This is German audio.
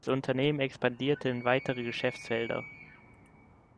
Das Unternehmen expandierte in weitere Geschäftsfelder.